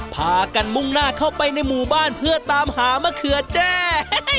พากันมุ่งหน้าเข้าไปในหมู่บ้านเพื่อตามหามะเขือแจ้